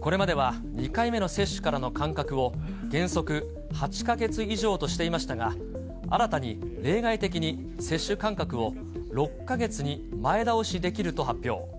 これまでは、２回目の接種からの間隔を原則８か月以上としていましたが、新たに例外的に接種間隔を６か月に前倒しできると発表。